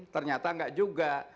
ternyata nggak juga